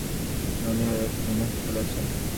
আজ মনে হইল শচীশ নেশা করিয়াছে।